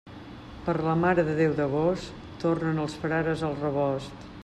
Per la Mare de Déu d'agost, tornen els frares al rebost.